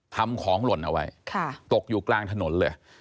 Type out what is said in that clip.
ทำของหล่นเอาไว้ตกอยู่กลางถนนเลย